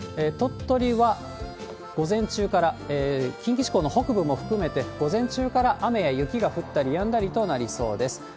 鳥取は午前中から近畿地方の北部も含めて、午前中から雨や雪が降ったりやんだりとなりそうです。